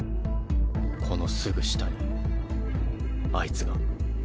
このすぐ下にあいつが。